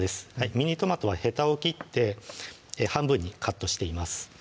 ミニトマトはヘタを切って半分にカットしています